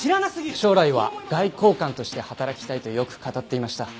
将来は外交官として働きたいとよく語っていました。